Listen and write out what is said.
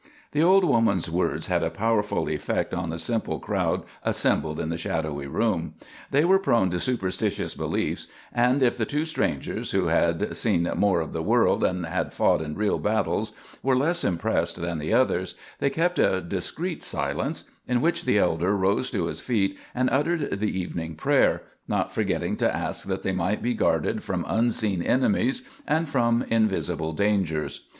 The old woman's words had a powerful effect on the simple crowd assembled in the shadowy room. They were prone to superstitious beliefs; and if the two strangers, who had seen more of the world and had fought in real battles, were less impressed than the others, they kept a discreet silence, in which the elder rose to his feet and uttered the evening prayer, not forgetting to ask that they might be guarded from unseen enemies and from invisible dangers.